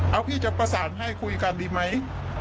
เอาพี่จะประสานให้คุยกันดีไหม